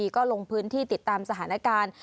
ก็ลงพื้นที่ติดตามสถานการณ์